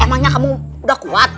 emangnya kamu udah kuat